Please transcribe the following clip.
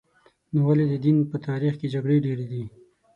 نو ولې د دین په تاریخ کې جګړې ډېرې دي؟